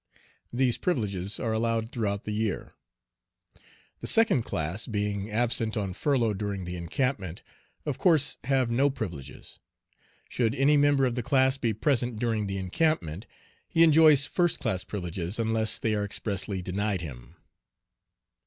These privileges are allowed throughout the year. The second class being absent on furlough during the encampment, of course have no privileges. Should any member of the class be present during the encampment, he enjoys "first class privileges," unless they are expressly denied him.